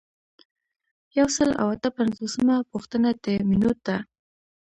یو سل او اته پنځوسمه پوښتنه د مینوټ ده.